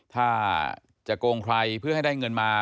ถ้าจะโกงใครเพื่อให้ได้เงินมา